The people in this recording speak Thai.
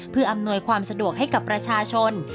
เพื่ออำนวยความสะดวกให้กับประชาชน